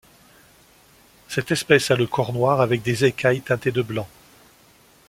Cette espèce a le corps noir avec des écailles teintées de blanc.